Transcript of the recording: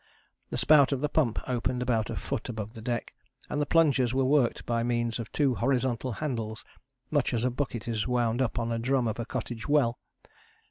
The spout of the pump opened about a foot above the deck, and the plungers were worked by means of two horizontal handles, much as a bucket is wound up on the drum of a cottage well.